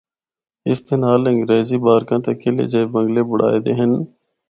اس دے نال انگریزی بارکاں تے قعلے جیئے بنگلے بنڑائے دے ہن۔